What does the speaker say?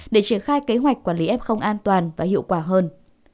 để triển khai kế hoạch quản lý ép không an toàn và hiệu quả hơn